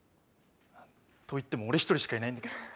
といっても俺一人しかいないんだけどね。